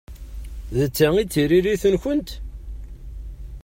D ta i d tiririt-nkent?